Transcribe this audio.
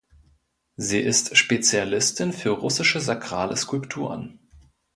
Sie ist Spezialistin für russische sakrale Skulpturen.